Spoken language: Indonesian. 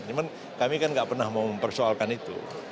namun kami kan gak pernah mempersoalkan itu